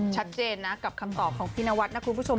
ชัดเจนนะกับคำตอบของพี่นวัดนะคุณผู้ชม